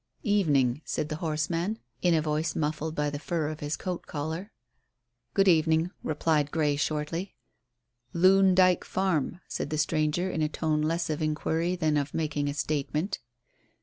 "Evening," said the horseman, in a voice muffled by the fur of his coat collar. "Good evening," replied Grey shortly. "Loon Dyke Farm," said the stranger, in a tone less of inquiry than of making a statement.